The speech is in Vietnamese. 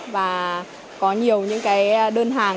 và có nhiều đơn hàng